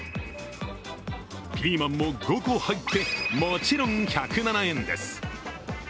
ピーマンも５個入ってもちろん１０７円です。